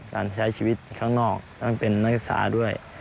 การใช้ชีวิตข้างนอกต้องเป็นนักศึกษาด้วย